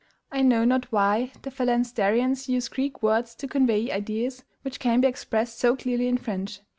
I know not why the phalansterians use Greek words to convey ideas which can be expressed so clearly in French.